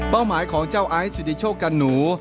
หมายของเจ้าไอซ์สิทธิโชคกันหนู